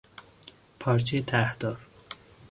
پارچهی طرح دار